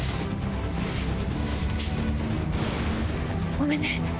ごめんね。